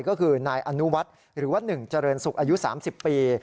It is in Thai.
ก็คือนายอนุวัฒน์หรือว่าหนึ่งเจริญศุกร์อายุ๓๐ปี